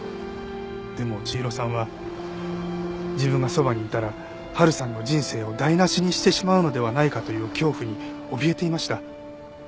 でも千尋さんは自分がそばにいたら波琉さんの人生を台無しにしてしまうのではないかという恐怖におびえていました。